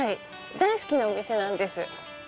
大好きなお店なんです。